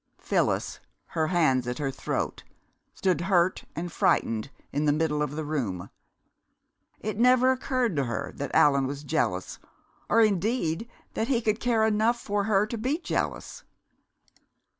Phyllis, her hands at her throat, stood hurt and frightened in the middle of the room. It never occurred to her that Allan was jealous, or indeed that he could care enough for her to be jealous.